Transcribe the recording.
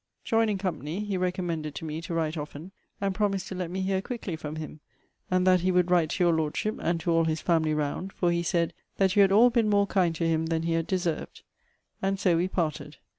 Joining company, he recommended to me to write often; and promised to let me hear quickly from him; and that he would write to your Lordship, and to all his family round; for he said, that you had all been more kind to him than he had deserved. And so we parted.